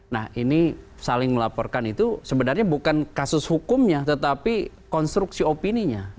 nah ini saling melaporkan itu sebenarnya bukan kasus hukumnya tetapi konstruksi opininya